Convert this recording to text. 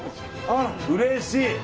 あら、うれしい！